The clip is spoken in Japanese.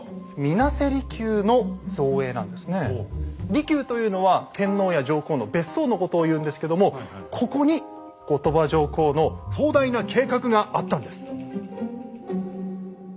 「離宮」というのは天皇や上皇の別荘のことを言うんですけどもここに後鳥羽上皇の壮大な計画があったんです。